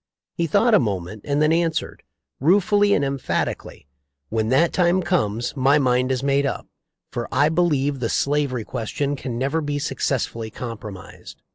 He thought a moment and then answered, ruefully and emphatically, 'When that time comes my mind is made up, for I believe the slavery question can never be successfully compromised.'